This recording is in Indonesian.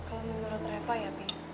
kalo menurut reva ya pi